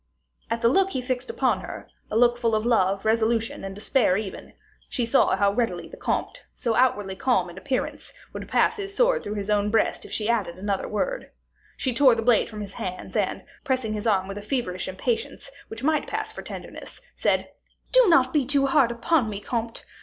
At the look he fixed upon her, a look full of love, resolution, and despair, even, she knew how readily the comte, so outwardly calm in appearance, would pass his sword through his own breast if she added another word. She tore the blade from his hands, and, pressing his arm with a feverish impatience, which might pass for tenderness, said, "Do not be too hard upon me, comte.